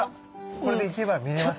これでいけば見れますね。